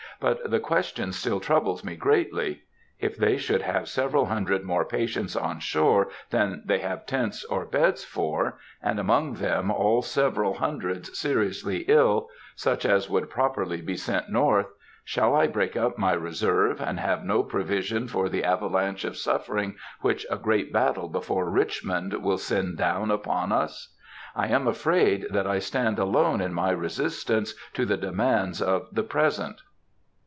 But the question still troubles me greatly, If they should have several hundred more patients on shore than they have tents or beds for, and among them all several hundreds seriously ill, such as would properly be sent North, shall I break up my reserve, and have no provision for the avalanche of suffering which a great battle before Richmond would send down upon us? I am afraid that I stand alone in my resistance to the demands of the present.